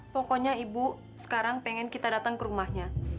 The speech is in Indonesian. pokoknya ibu sekarang pengen kita datang ke rumahnya